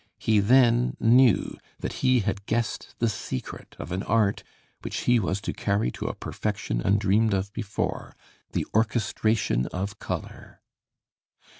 He then knew that he had guessed the secret of an art which he was to carry to a perfection undreamed of before, the orchestration of color....